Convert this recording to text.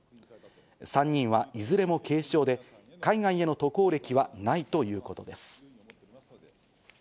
３人はいずれも軽症で、海外への渡航歴はないということです。